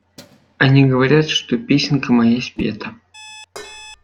Они говорят, что песенка моя спета.